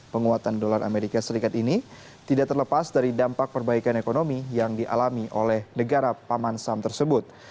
penguatan dolar amerika serikat ini tidak terlepas dari dampak perbaikan ekonomi yang dialami oleh negara paman sam tersebut